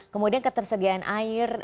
kemudian ketersediaan air